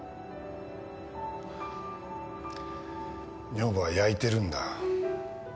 女房はやいてるんだ。